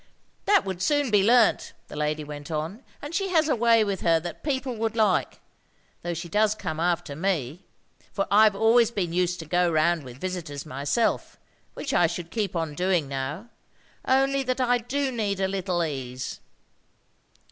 "That would soon be learnt," the lady went on, "and she has a way with her that people would like, though she does come after me; for I've always been used to go round with visitors myself, which I should keep on doing now, only that I do need a little ease."